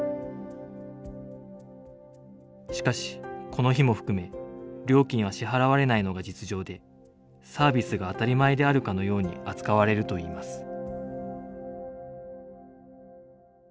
しかしこの日も含め料金は支払われないのが実情でサービスが当たり前であるかのように扱われるといいます。